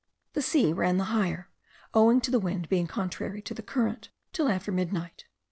The sea ran the higher, owing to the wind being contrary to the current, till after midnight.